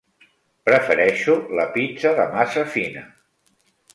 Prefereixo la pizza de massa fina.